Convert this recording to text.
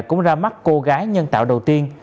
cũng ra mắt cô gái nhân tạo đầu tiên